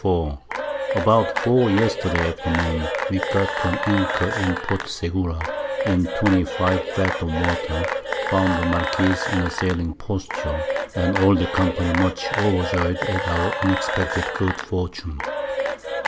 24._ About 4 Yesterday Afternoon we got to an Anchor in Port Segura in 25 Fathom Water, found the Marquiss in a sailing Posture, and all the Company much overjoy'd at our unexpected good Fortune.